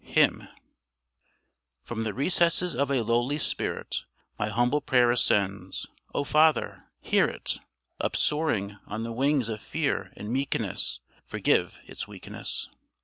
HYMN From the recesses of a lowly spirit My humble prayer ascends O Father! hear it! Upsoaring on the wings of fear and meekness, Forgive its weakness.